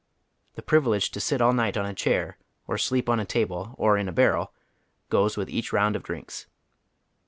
The privilege to sit all night on a chair, or sleep on a table, or in a barrel, goes with each round of drinks.